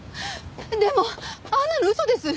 でもあんなの嘘です！